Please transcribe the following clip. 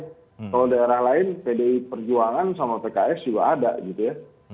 kalau daerah lain pdi perjuangan sama pks juga ada gitu ya